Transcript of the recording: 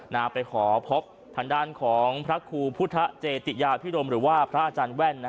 ไปขอพบทางด้านของพระครูพุทธเจติยาพิรมหรือว่าพระอาจารย์แว่น